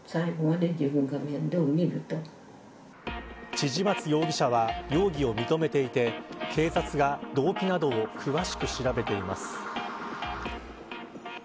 千々松容疑者は容疑を認めていて警察が動機などを詳しく調べています。